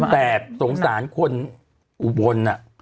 แต่สงสารคนอุบล